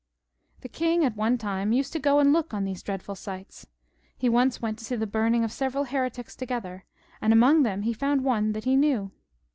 The king at one time used to go and look on at these dreadful sights. He once went to see the burning of sev eral heretics together, and among them he found one that he knew.